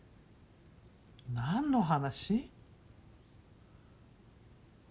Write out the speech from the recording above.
何の話？